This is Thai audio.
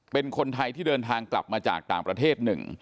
เป็นคนไทยที่เดินทางกลับมาจากต่างประเทศหนึ่ง